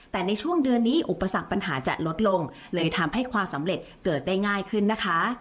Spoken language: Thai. แต่ในช่วงเดือนนี้อุปสรรคปัญหาจะลดลงเลยทำให้ความสำเร็จเกิดได้ง่ายขึ้นนะคะ